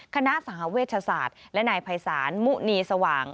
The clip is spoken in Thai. คณะสหเวชศาสตร์และนายภัยศาลมุนีสว่าง